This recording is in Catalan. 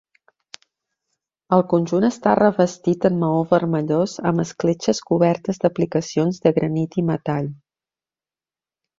El conjunt està revestit en maó vermellós amb escletxes cobertes d'aplicacions de granit i metall.